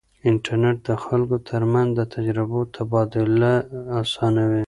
انټرنیټ د خلکو ترمنځ د تجربو تبادله اسانوي.